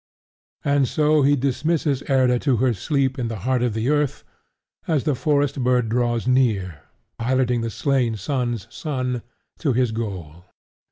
And so he dismisses Erda to her sleep in the heart of the earth as the forest bird draws near, piloting the slain son's son to his goal.